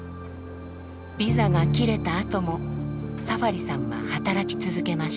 ビザが切れたあともサファリさんは働き続けました。